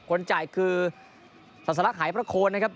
คนจ่ายคือสรรคหายพระโคนนะครับ